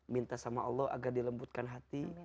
minta sama allah agar dilembutkan hati